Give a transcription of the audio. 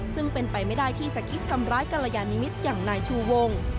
ซึ่งเป็นไปไม่ได้ที่จะคิดทำร้ายกรยานิมิตรอย่างนายชูวง